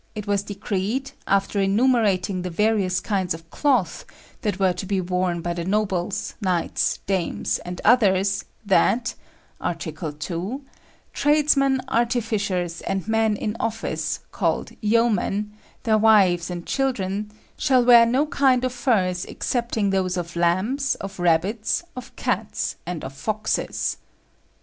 it was decreed, after enumerating the various kinds of cloth that were to be worn by the nobles, knights, dames, and others, that (Article 2) tradesmen, artificers, and men in office, called yeomen, their wives and children, shall wear no kind of furs excepting those of lambs, of rabbits, of cats, and of foxes."